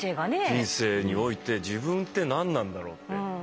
人生において自分って何なんだろうって。